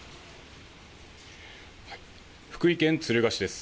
福井県敦賀市です。